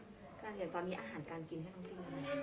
การเห็นตอนนี้อาหารการกินให้น้องกินอะไร